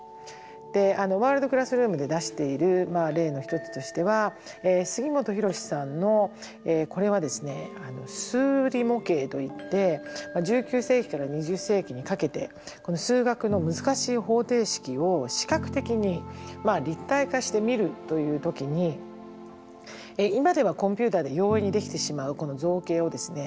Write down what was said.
「ワールド・クラスルーム」で出している例の一つとしては杉本博司さんのこれは数理模型と言って１９世紀から２０世紀にかけてこの数学の難しい方程式を視覚的に立体化して見るという時に今ではコンピューターで容易にできてしまうこの造形をですね